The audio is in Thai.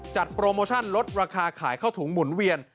โปรโมชั่นลดราคาขายเข้าถุงหมุนเวียน